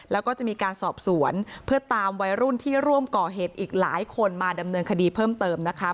แล้วก็จะมีการสอบสวนเพื่อตามวัยรุ่นที่ร่วมก่อเหตุอีกหลายคนมาดำเนินคดีเพิ่มเติมนะคะ